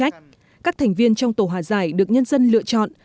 các thành viên trong tổ hòa giải được nhân dân lựa chọn